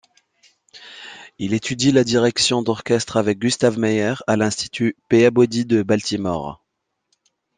Il étudie la direction d'orchestre avec Gustav Meier àl'Institut Peabody de Baltimore.